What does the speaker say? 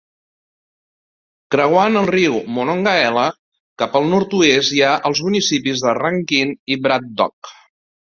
Creuant el riu Monongahela cap al nord-est hi ha els municipis de Rankin i Braddock.